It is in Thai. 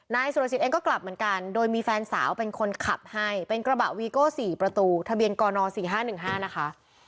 นายสุรสิทธิ์เองก็กลับเหมือนกันโดยมีแฟนสาวเป็นคนขับให้เป็นกระบะวีโก้๔ประตูทะเบียนกน๔๕๑๕นะคะ